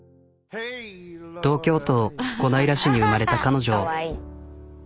東京都小平市に生まれた彼女。